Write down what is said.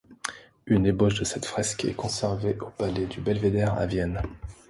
Une ébauche de cette fresque est conservée au Palais du Belvédère à Vienne.